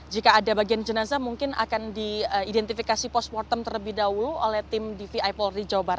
jika ada bagian jenazah mungkin akan diidentifikasi post mortem terlebih dahulu oleh tim dvi polri jawa barat